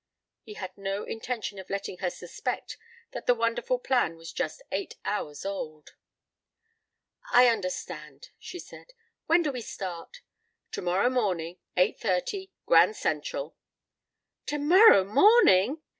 He had no intention of letting her suspect that the wonderful plan was just eight hours old. "I understand," she said. "When do we start?" "Tomorrow morning. Eight thirty. Grand Central." "Tomorrow morning!"